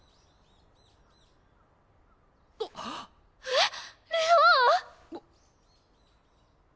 あっ。